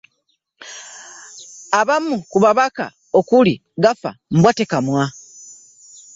Abamu ku babaka okuli Gaffa Mbwatekamwa